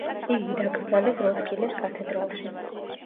იგი დაკრძალეს როსკილეს კათედრალში.